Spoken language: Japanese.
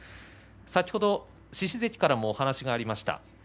先ほど獅司関からもお話がありました。